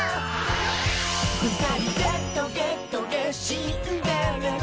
「ふたりでトゲトゲシンデレラ」